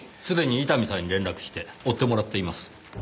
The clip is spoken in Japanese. すでに伊丹さんに連絡して追ってもらっています。